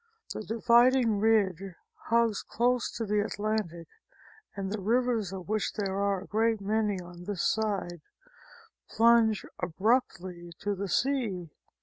The dividing ridge hugs close to the Atlantic, and the rivers, of which there are a great many on this side, plunge abruptly to the sea.